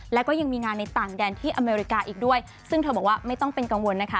แล้วก็ยังมีงานในต่างแดนที่อเมริกาอีกด้วยซึ่งเธอบอกว่าไม่ต้องเป็นกังวลนะคะ